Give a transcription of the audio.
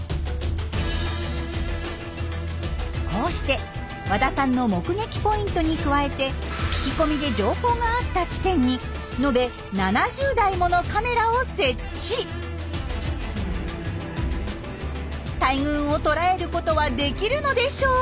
こうして和田さんの目撃ポイントに加えて聞き込みで情報があった地点に大群をとらえることはできるのでしょうか。